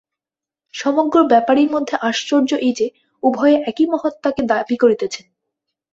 সমগ্র ব্যাপারের মধ্যে আশ্চর্য এই যে, উভয়ে একই মহাত্মাকে দাবী করিতেছেন।